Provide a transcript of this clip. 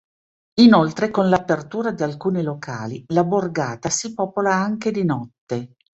Inoltre, con l'apertura di alcuni locali, la borgata si popola anche di notte.